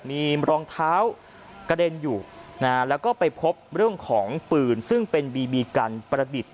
มีรองเท้ากระเด็นอยู่นะฮะแล้วก็ไปพบเรื่องของปืนซึ่งเป็นบีบีกันประดิษฐ์